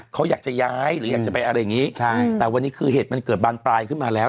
เขาอยากจะย้ายหรืออยากจะไปอะไรอย่างงี้ใช่แต่วันนี้คือเหตุมันเกิดบานปลายขึ้นมาแล้ว